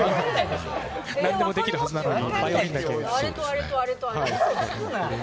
何でもできるはずなのに。